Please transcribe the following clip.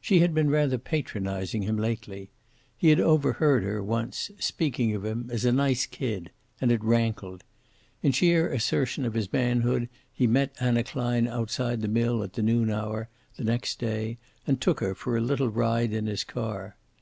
She had been rather patronizing him lately. He had overheard her, once, speaking of him as a nice kid, and it rankled. In sheer assertion of his manhood he met Anna Klein outside the mill at the noon hour, the next day, and took her for a little ride in his car.